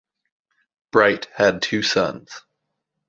Bright had two sons.